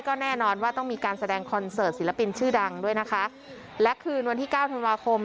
ก็แน่นอนว่าต้องมีการแสดงคอนเสิร์ตศิลปินชื่อดังด้วยนะคะและคืนวันที่เก้าธันวาคม